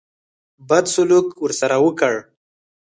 بد سلوک ورسره وکړ.